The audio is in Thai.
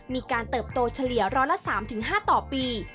มีการเติบโตเฉลี่ยร้อนละ๓๕ปี